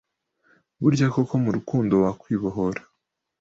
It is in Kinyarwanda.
burya koko murukundo wakwibohora